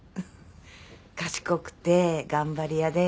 賢くて頑張り屋で。